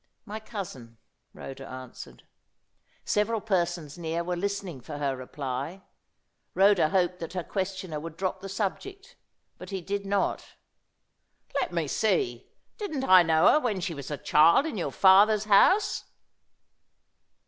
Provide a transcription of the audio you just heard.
"My cousin," Rhoda answered. Several persons near were listening for her reply. Rhoda hoped that her questioner would drop the subject, but he did not. "Let me see; didn't I know her when she was a child in your father's house?"